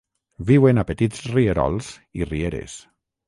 Viuen a petits rierols i rieres.